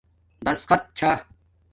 دَسخت چھݳ